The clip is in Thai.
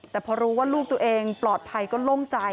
แต่พอรู้ว่าลูกตัวเองปลอดภัยก็โล่งใจ